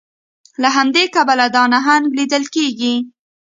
له همدې کبله دا نهنګ لیدل کیږي